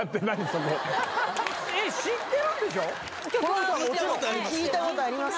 その聴いたことあります